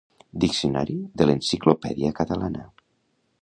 Diccionari de l'Enciclopèdia Catalana.